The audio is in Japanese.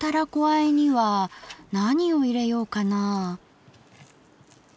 あえには何を入れようかな。